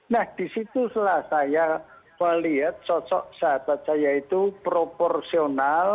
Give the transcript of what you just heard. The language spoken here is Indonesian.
nah disitulah saya melihat sosok sahabat saya itu proporsional